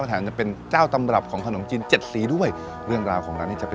แถมยังเป็นเจ้าตำรับของขนมจีนเจ็ดสีด้วยเรื่องราวของร้านนี้จะเป็น